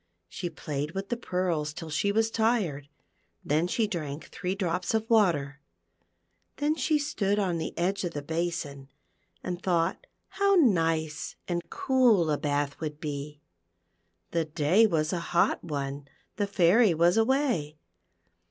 She played with the pearls till she was tired, then she drank three drops of water, then she stood on the edge of the basin, and thought how nice and cool a bath would be. The day was a hot one, the Fairy was away.